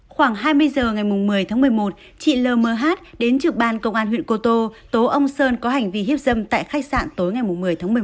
khoảng hai mươi h ngày một mươi tháng một mươi một chị l mh đến trực ban công an huyện cô tô tố ông sơn có hành vi hiếp dâm tại khách sạn tối ngày một mươi tháng một mươi một